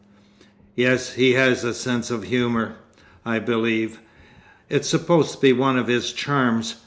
"Yet he has a sense of humour, I believe. It's supposed to be one of his charms.